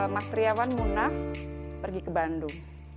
mas triawan munaf pergi ke bandung